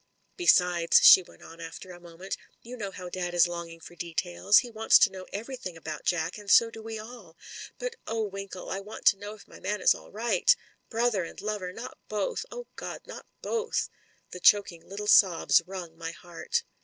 "Besides," she went on after a moment, "you know how dad is longing for details. He wants to know ever3rthing about Jack, and so do we all. But oh. Winkle! I want to know if my man is all right. Brother and lover — ^not both, oh, God — not both!" The choking little sobs wrung my heart.